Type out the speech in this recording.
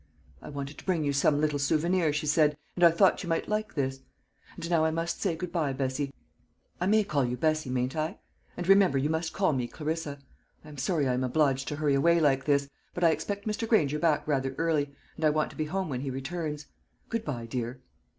"I wanted to bring you some little souvenir," she said, "and I thought you might like this. And now I must say good bye, Bessie. I may call you Bessie, mayn't I? And remember, you must call me Clarissa. I am sorry I am obliged to hurry away like this; but I expect Mr. Granger back rather early, and I want to be at home when he returns. Good bye, dear!"